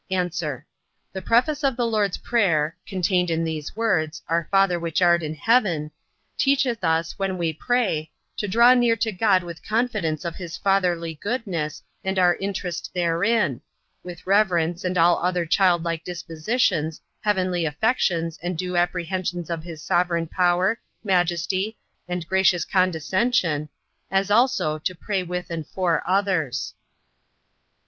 A. The preface of the Lord's prayer (contained in these words, Our Father which art in heaven) teacheth us, when we pray, to draw near to God with confidence of his fatherly goodness, and our interest therein; with reverence, and all other childlike dispositions, heavenly affections, and due apprehensions of his sovereign power, majesty, and gracious condescension: as also, to pray with and for others.